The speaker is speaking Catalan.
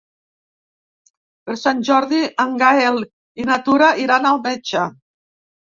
Per Sant Jordi en Gaël i na Tura iran al metge.